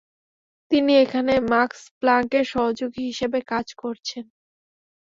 তিনি এখানে মাক্স প্লাংকের সহযোগী হিসেবে কাজ করেছেন।